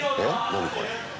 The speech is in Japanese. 何これ。